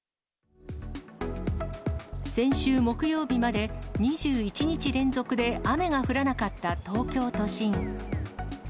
先週木曜日まで２１日連続で雨が降らなかった東京都心。